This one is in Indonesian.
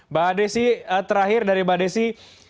mbak desi terakhir dari mbak desi